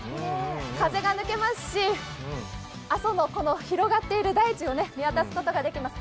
風が抜けますし、阿蘇の広がっている大地を見渡すことができます。